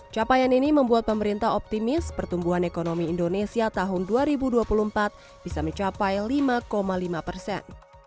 capaian ini membuat pemerintah optimis pertumbuhan ekonomi indonesia tahun dua ribu dua puluh empat bisa mencapai lima lima persen